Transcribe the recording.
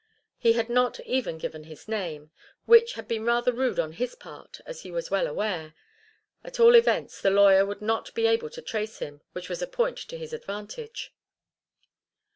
He had not even given his name, which had been rather rude on his part, as he was well aware. At all events, the lawyer would not be able to trace him, which was a point to his advantage.